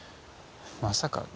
まさか